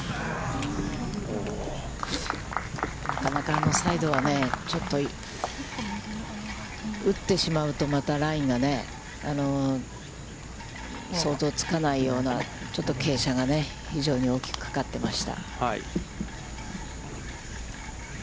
あのサイドはちょっと打ってしまうとまたラインが、想像つかないような、ちょっと傾斜が、非常に大きくかかってました。